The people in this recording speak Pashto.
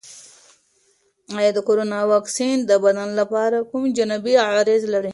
آیا د کرونا واکسین د بدن لپاره کوم جانبي عوارض لري؟